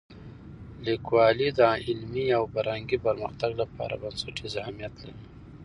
لیکوالی د علمي او فرهنګي پرمختګ لپاره بنسټیز اهمیت لري.